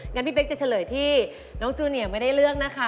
งั้นพี่เป๊กจะเฉลยที่น้องจูเนียไม่ได้เลือกนะคะ